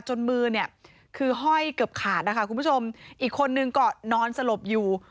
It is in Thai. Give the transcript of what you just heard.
มือเนี่ยคือห้อยเกือบขาดนะคะคุณผู้ชมอีกคนนึงก็นอนสลบอยู่